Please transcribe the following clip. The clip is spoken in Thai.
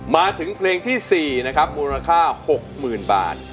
มาถึงเพลงที่๔นะครับมูลค่า๖๐๐๐บาท